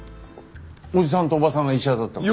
おじさんとおばさんが医者だったから。